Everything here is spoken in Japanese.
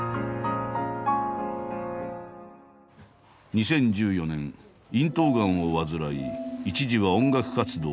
２０１４年咽頭がんを患い一時は音楽活動を休止。